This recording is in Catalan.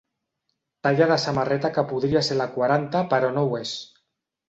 Talla de samarreta que podria ser la quaranta però no ho és.